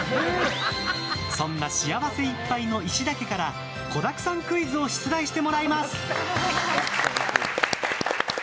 そんな幸せいっぱいの石田家から子だくさんクイズを出題してもらいます。